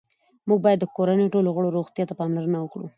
موږ باید د کورنۍ ټولو غړو روغتیا ته پاملرنه وکړو